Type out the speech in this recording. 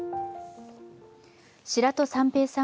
白土三平さん